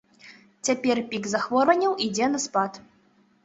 Цяпер пік захворванняў ідзе на спад.